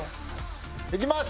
いきます！